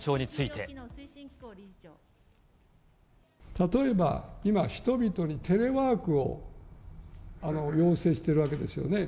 例えば、今人々にテレワークを要請しているわけですよね。